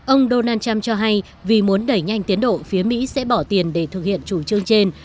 ông donald trump cho hay vì muốn đẩy nhanh tiến độ phía mỹ sẽ bỏ tiền để thực hiện chủ trương trên